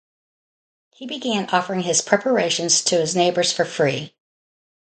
He began offering his preparations to his neighbors for free.